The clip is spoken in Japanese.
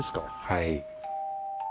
はい。